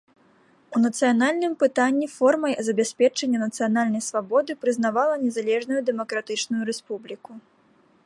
У нацыянальным пытанні формай забеспячэння нацыянальнай свабоды прызнавала незалежную дэмакратычную рэспубліку.